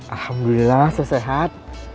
alhamdulillah saya sehat